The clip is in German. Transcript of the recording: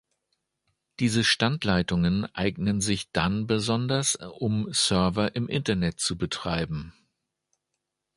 Diese Standleitungen eignen sich dann besonders, um Server im Internet zu betreiben.